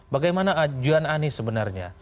bagaimana ajuan anies sebenarnya